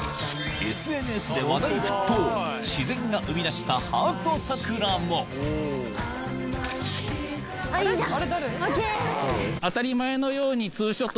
ＳＮＳで話題沸騰自然が生み出したハート桜もＯＫ。